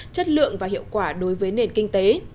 chất lượng và hiệu quả đối với nền kinh tế